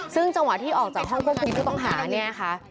ซึ่งจังหวะที่ออกจากห้องควบคุมผู้ต้องหาเนี่ยนะคะ